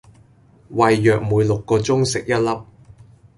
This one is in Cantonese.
胃藥每六個鐘食一粒